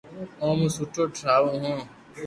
اونو سٺو ٺراوُ ھون